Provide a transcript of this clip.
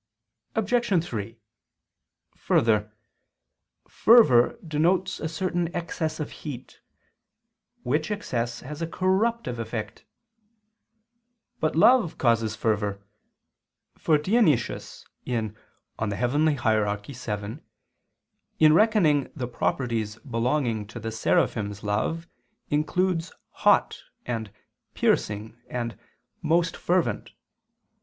Obj. 3: Further, fervor denotes a certain excess of heat; which excess has a corruptive effect. But love causes fervor: for Dionysius (Coel. Hier. vii) in reckoning the properties belonging to the Seraphim's love, includes "hot" and "piercing" and "most fervent."